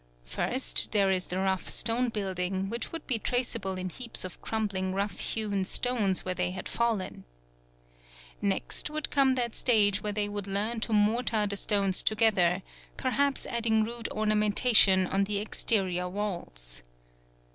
First, there is the rough stone building, which would be traceable in heaps of crumbling rough hewn stones where they had fallen. Next, would come that stage when they would learn to mortar the stones together, perhaps adding rude ornamentation on the exterior walls.